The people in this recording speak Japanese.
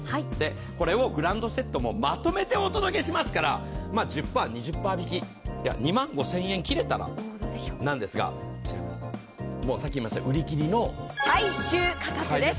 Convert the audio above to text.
これをグランドセットまとめてお届けしますから、１０％、２０％引き、２万５０００円切れたらなんですが、全然、売りきりの最終価格です。